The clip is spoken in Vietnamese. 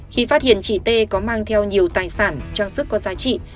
khi phát hiện chị t có mang theo nhiều tài sản trang sức có giá trị